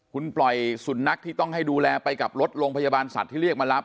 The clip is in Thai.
คุณปล่อยสุนัขที่ต้องให้ดูแลไปกับรถโรงพยาบาลสัตว์ที่เรียกมารับ